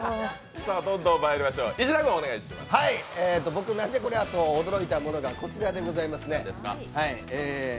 僕の「なんじゃこりゃ！」と驚いたものはこちらでございますね。